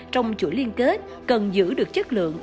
trong chuỗi liên kết cần giữ được chất lượng